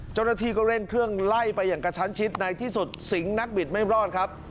เจ้าหน้าที่ก็เร่งเครื่องไล่ไปอย่างกระชั้นชิดในที่สุดสิงหนักบิดไม่รอดครับ